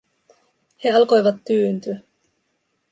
He alkoivat tyyntyä.